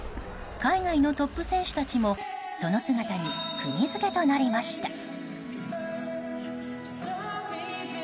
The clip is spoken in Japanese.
海外のトップ選手たちもその姿にくぎ付けとなりました。